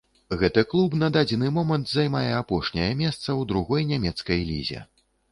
Гэты клуб на дадзены момант займае апошняе месца ў другой нямецкай лізе.